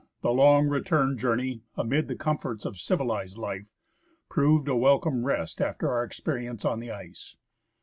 The lonof return journey, amid the comforts of civiHzed life, proved a welcome rest after our experience on the ice.